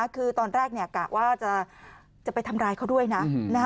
คือตอนแรกกะว่าจะไปทำร้ายเขาด้วยนะ